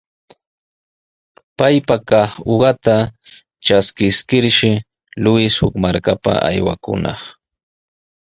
Paypaq kaq uqata traskiskirshi Luis huk markapa aywakunaq.